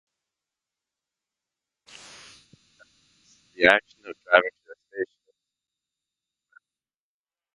In this sentence, the action of driving to the station is a present arrangement.